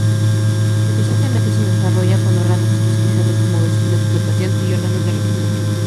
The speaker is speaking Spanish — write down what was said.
Frecuentemente se desarrolla con órganos especializados como vesículas de flotación y órganos de reproducción.